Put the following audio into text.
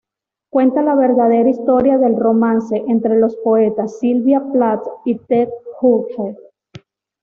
Cuenta la verdadera historia del romance entre los poetas Sylvia Plath y Ted Hughes.